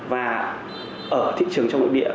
và ở thị trường trong nội địa